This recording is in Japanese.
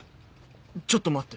ちょっと待って。